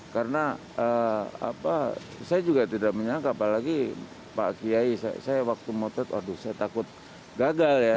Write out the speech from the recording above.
karena saya juga tidak menyangka apalagi pak kiai saya waktu motret aduh saya takut gagal ya